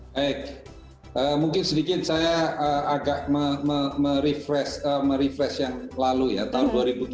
baik mungkin sedikit saya agak merefresh yang lalu ya tahun dua ribu tujuh belas